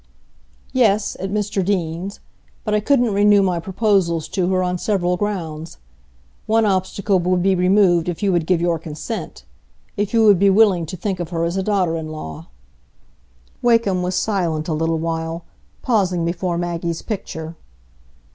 "Yes, at Mr Deane's. But I couldn't renew my proposals to her on several grounds. One obstacle would be removed if you would give your consent,—if you would be willing to think of her as a daughter in law." Wakem was silent a little while, pausing before Maggie's picture.